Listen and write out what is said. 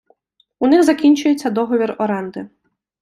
У них закінчується договір оренди.